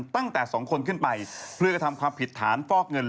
ตั้งแต่๒คนขึ้นไปเพื่อกระทำความผิดฐานฟอกเงิน